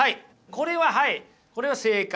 これははいこれは正解。